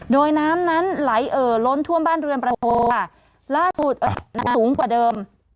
โดยน้ำนั้นไหลเอ่อล้นท่วมบ้านเรือนประโทค่ะล่าสุดสูงกว่าเดิม